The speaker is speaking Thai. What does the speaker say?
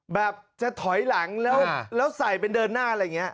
แบบจะถอยหลังแล้วใส่เป็นเดินหน้าอะไรอย่างนี้